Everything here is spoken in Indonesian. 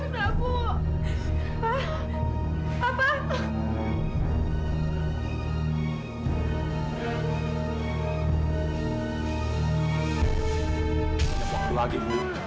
tidak ada waktu lagi ibu